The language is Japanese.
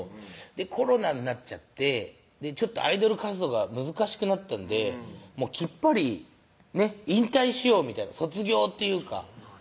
コロナになっちゃってアイドル活動が難しくなったんできっぱり引退しようみたいな卒業っていうか